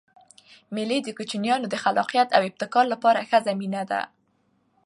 مېلې د کوچنيانو د خلاقیت او ابتکار له پاره ښه زمینه ده.